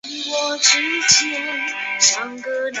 其股份分别自纽约证券交易所上市。